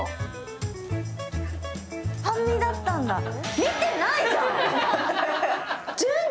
半身だったんだ。